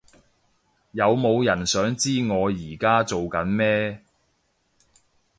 有冇人想知我而家做緊咩？